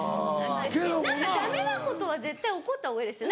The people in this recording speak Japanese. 何かダメなことは絶対怒った方がいいですよ。